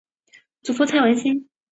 祖父蔡文兴。